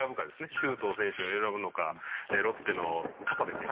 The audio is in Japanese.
周東選手を選ぶのかロッテの部選手？